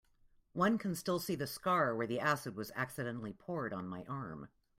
One can still see the scar where the acid was accidentally poured on my arm.